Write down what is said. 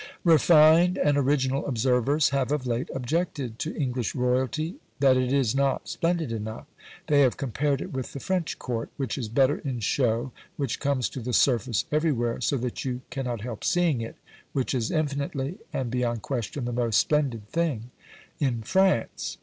Refined and original observers have of late objected to English royalty that it is not splendid enough. They have compared it with the French Court, which is better in show, which comes to the surface everywhere so that you cannot help seeing it, which is infinitely and beyond question the most splendid thing in France.